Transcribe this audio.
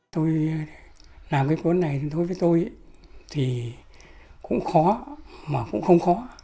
tôi làm cái cuốn này đối với tôi thì cũng khó mà cũng không khó